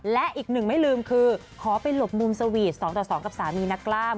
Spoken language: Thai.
และอีกหนึ่งไม่ลืมคือขอไปหลบมุมสวีท๒ต่อ๒กับสามีนักกล้าม